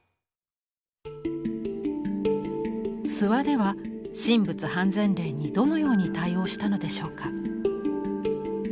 諏訪では神仏判然令にどのように対応したのでしょうか。